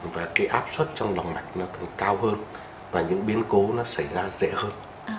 và cái áp suất trong lòng mạch nó thường cao hơn và những biến cố nó xảy ra dễ hơn